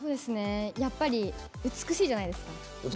やっぱり美しいじゃないですか。